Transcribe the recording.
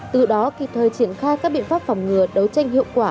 từ đó kịp thời triển khai các biện pháp phòng ngừa đấu tranh hiệu quả